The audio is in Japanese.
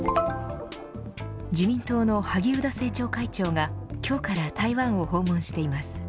自民党の萩生田政調会長が今日から台湾を訪問しています。